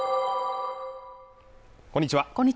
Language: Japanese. こんにちは